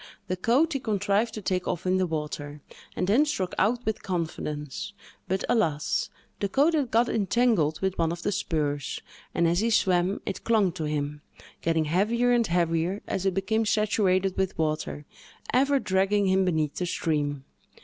The coat he contrived to take off in the water, and then struck out with confidence; but, alas! the coat had got entangled with one of the spurs, and, as he swam, it clung to him, getting heavier and heavier as it became saturated with water, ever dragging him beneath the stream.